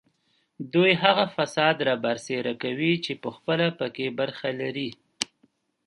دوی هغه فساد رابرسېره کوي چې پخپله په کې برخه لري